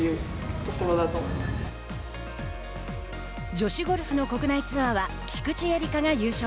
女子ゴルフの国内ツアーは菊地絵理香が優勝。